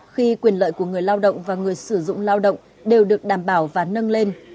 khi quyền lợi của người lao động và người sử dụng lao động đều được đảm bảo và nâng lên